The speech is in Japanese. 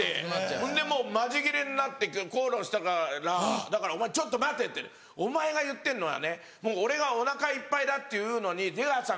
ほんでもうマジギレになって口論したからだから「お前ちょっと待て」って「お前が言ってんのはね俺がお腹いっぱいだって言うのに『出川さん